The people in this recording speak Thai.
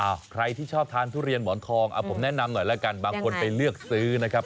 ใครที่ชอบทานทุเรียนหมอนทองผมแนะนำหน่อยแล้วกันบางคนไปเลือกซื้อนะครับ